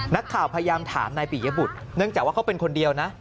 นักข่าวพยายามถามนายปิยบุตรเนื่องจากว่าเขาเป็นคนเดียวนะ